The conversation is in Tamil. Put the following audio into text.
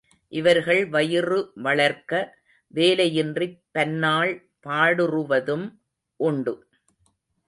இவர்கள் வயிறு வளர்க்க வேலையின்றிப் பன்னாள் பாடுறுவதும் உண்டு.